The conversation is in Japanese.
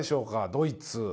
ドイツ。